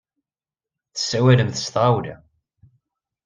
Tessawalemt s tɣawla.